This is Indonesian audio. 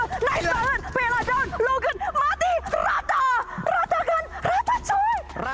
nice banget bela down logan mati rata rata kan rata coy